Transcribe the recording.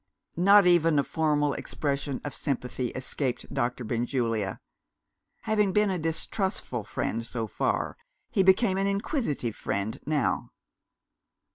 Not even a formal expression of sympathy escaped Doctor Benjulia. Having been a distrustful friend so far, he became an inquisitive friend now.